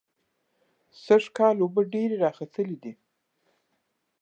سږکال اوبه ډېرې راخلتلې دي.